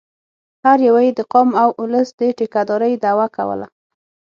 هر یوه یې د قام او اولس د ټیکه دارۍ دعوه کوله.